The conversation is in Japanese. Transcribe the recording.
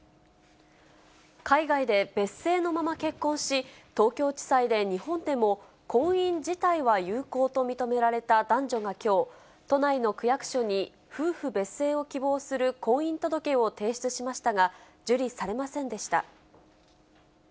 海外で別姓のまま結婚し、東京地裁で日本でも婚姻自体は有効と認められた男女がきょう、都内の区役所に夫婦別姓を希望する婚姻届を提出しましたが、受理されませんでした。